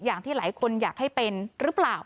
อย่างที่หลายคนอยากให้เป็นหรือเปล่า